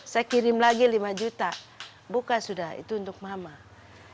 yang meng nonprofits ini mentioned